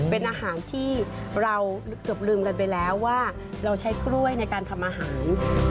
เป็นอาหารที่เราเกือบลืมกันไปแล้วว่าเราใช้กล้วยในการทำอาหาร